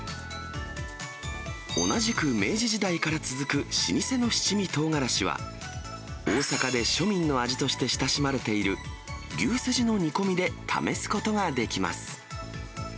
同じく明治時代から続く老舗の七味とうがらしは、大阪で庶民の味として親しまれている牛すじの煮込みで試すことができます。